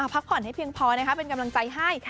พักผ่อนให้เพียงพอนะคะเป็นกำลังใจให้